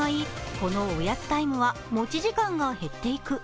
このおやつタイムは持ち時間が減っていく。